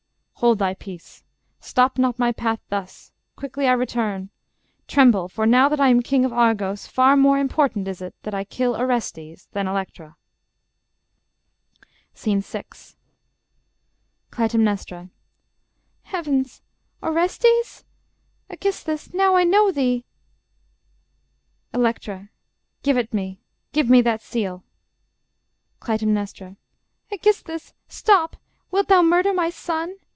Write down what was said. _ Hold thy peace. Stop not my path thus; quickly I return; Tremble: for now that I am king of Argos, Far more important is it that I kill Orestes than Electra. SCENE VI CLYTEMNESTRA ELECTRA Cly. Heavens! ... Orestes? ... Aegisthus, now I know thee.... Elec. Give it me: Give me that steel. Cly. Aegisthus! ... Stop! ... Wilt thou Murder my son?